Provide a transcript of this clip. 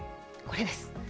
これです。